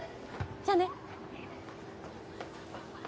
じゃあね。